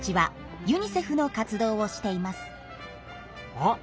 あっ！